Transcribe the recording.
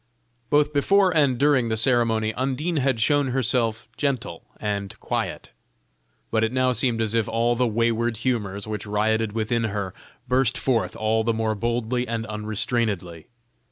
Both before and during the ceremony, Undine had shown herself gentle and quiet; but it now seemed as if all the wayward humors which rioted within her, burst forth all the more boldly and unrestrainedly.